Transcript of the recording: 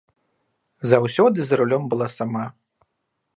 Заўсёды за рулём была сама.